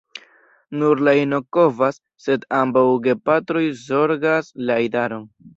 Nur la ino kovas, sed ambaŭ gepatroj zorgas la idaron.